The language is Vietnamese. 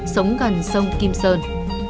sống gần sông kim sơn